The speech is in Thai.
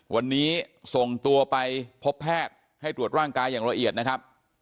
วันนี้ส่งตัวไปพบแพทย์ให้ตรวจร่างกายอย่างละเอียดนะครับ